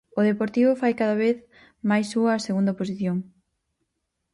O Deportivo fai cada vez máis súa a segunda posición.